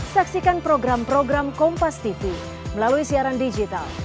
saksikan program program kompastv melalui siaran digital